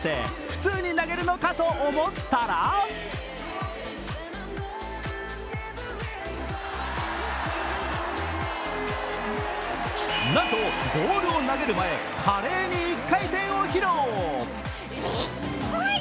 普通に投げるのかと思ったらなんとボールを投げる前、華麗に１回転を披露。